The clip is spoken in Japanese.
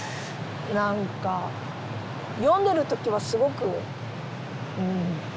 何か読んでる時はすごくうん。